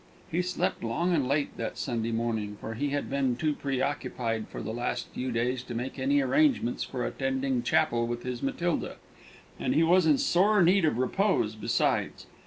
He slept long and late that Sunday morning; for he had been too preoccupied for the last few days to make any arrangements for attending chapel with his Matilda, and he was in sore need of repose besides.